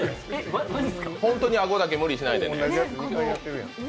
本当に、アゴだけ無理しないでね。